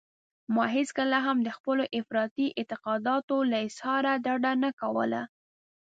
ما هېڅکله هم د خپلو افراطي اعتقاداتو له اظهاره ډډه نه کوله.